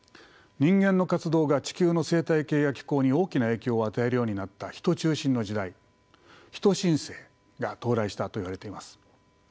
人間の活動が地球の生態系や気候に大きな影響を与えるようになったヒト中心の時代人新世が到来したといわれています。